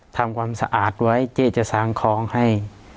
ทำความสะอาดไว้เจ๊จะสร้างของให้